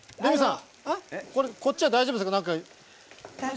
こっちは大丈夫ですか？